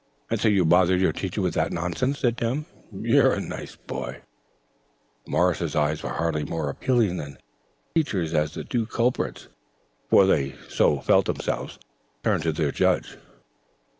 "And so you bothered your Teacher with that nonsense," said Tim. "You're a nice boy!" Morris's eyes were hardly more appealing than Teacher's as the two culprits, for so they felt themselves, turned to their judge.